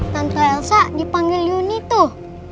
tanpa elsa dipanggil yuni tuh